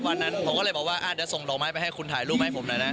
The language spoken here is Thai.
วันนั้นผมก็เลยบอกว่าเดี๋ยวส่งดอกไม้ไปให้คุณถ่ายรูปให้ผมหน่อยนะ